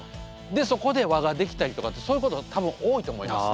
そこで輪が出来たりとかそういうこと多分多いと思いますね。